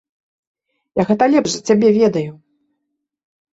Я гэта лепш за цябе ведаю.